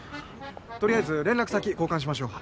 とりあえず連絡先交換しましょう。